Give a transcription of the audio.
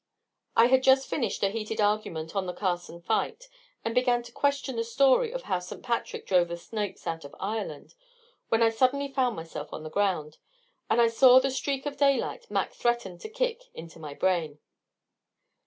I had just finished a heated argument on the Carson fight, and began to question the story of how St. Patrick drove the snakes out of Ireland, when I suddenly found myself on the ground. And I saw the streak of daylight Mac threatened to kick into my brain.